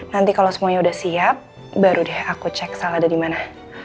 nanti kalau semuanya sudah siap baru deh aku cek sel ada di mana